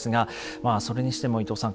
まあそれにしても伊藤さん